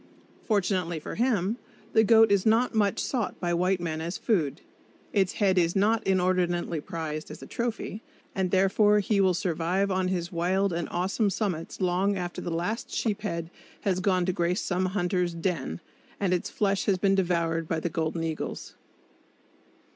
Fortunately for him, the goat is not much sought by white men as food; its head is not inordinately prized as a trophy, and therefore he will survive on his wild and awesome summits long after the last sheep head has gone to grace some hunter's "den," and its flesh has been devoured by the golden eagles.